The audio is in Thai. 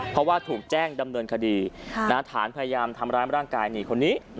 เพราะว่าถูกแจ้งดำเนินคดีฐานพยายามทำร้ายร่างกายนี่คนนี้